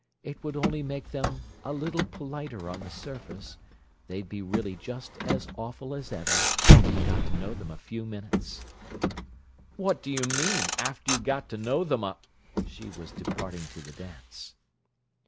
"It would only make them a little politer on the surface—they'd be really just as awful as ever, after you got to know them a few minutes." "What do you mean: 'after you got to know them a—'" She was departing to the dance.